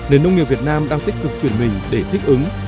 nền nông nghiệp việt nam đang tích cực chuyển mình để thích ứng